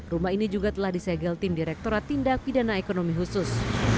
rumah ini juga telah disegel tim direkturat tindak pidana ekonomi khusus